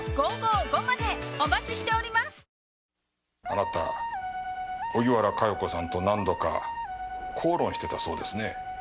あなた荻原佳代子さんと何度か口論してたそうですね。